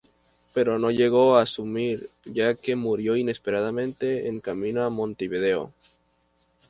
Pero no llegó a asumir, ya que murió inesperadamente en camino a Montevideo.